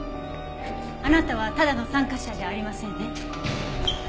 あなたはただの参加者じゃありませんね？